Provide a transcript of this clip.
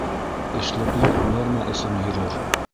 Эшлекле норма өсөн йөрөр